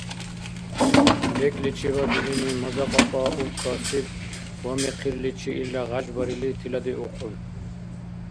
БекӀличибад илини маза-кьапӀа убкасиб ва, михъирличи илра гъяжбарили, тиладиухъун